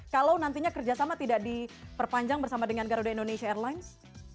kalau nantinya kerjasama tidak diperpanjang bersama dengan garuda indonesia airlines